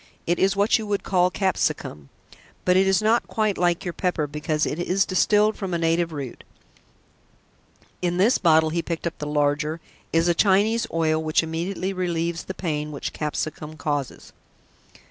It is what you would call capsicum, but it is not quite like your pepper because it is distilled from a native root. In this bottle," he picked up the larger, "is a Chinese oil which immediately relieves the pain which capsicum causes."